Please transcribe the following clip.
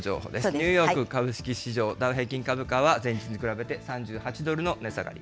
ニューヨーク株式市場、ダウ平均株価は、前日に比べて３８ドルの値下がり。